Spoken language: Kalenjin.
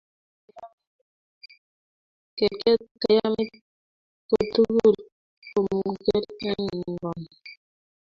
Kerget kayanit kotukul komugul eng ngony